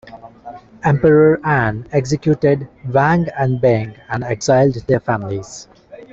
Emperor An executed Wang and Bing and exiled their families.